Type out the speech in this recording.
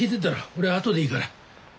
俺あとでいいから。